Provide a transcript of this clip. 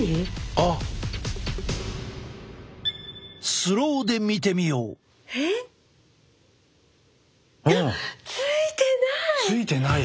あっついてない！